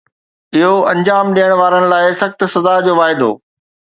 اهو انجام ڏيڻ وارن لاءِ سخت سزا جو واعدو